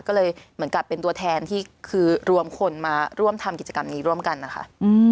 ก็เลยเหมือนกับเป็นตัวแทนที่คือรวมคนมาร่วมทำกิจกรรมนี้ร่วมกันนะคะ